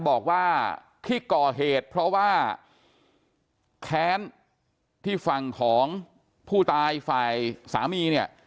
บอกว่าที่ก่อเหตุเพราะว่าแค้นที่ฝั่งของผู้ตายฝ่ายสามีเนี่ย